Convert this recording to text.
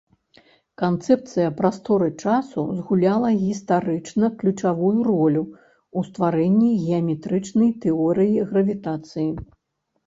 Канцэпцыя прасторы-часу згуляла гістарычна ключавую ролю ў стварэнні геаметрычнай тэорыі гравітацыі.